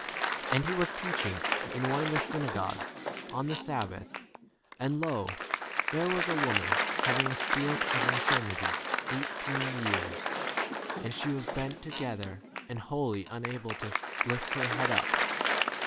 10 And he was teaching in one of the synagogues on the sab 11 bath. And lo, there was a woman having a spirit of infirmity eigh teen years, and she was bent together and wholly unable to lift 12 her head up.